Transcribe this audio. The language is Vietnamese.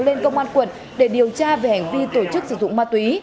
lên công an quận để điều tra về hành vi tổ chức sử dụng ma túy